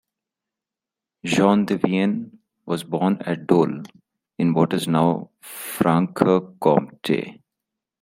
Jean de Vienne was born at Dole, in what is now Franche-Comté.